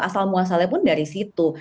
asal muasalnya pun dari situ